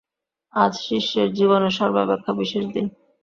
আজ শিষ্যের জীবনে সর্বাপেক্ষা বিশেষ দিন।